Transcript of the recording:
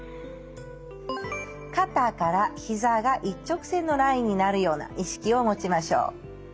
肩からひざが一直線のラインになるような意識を持ちましょう。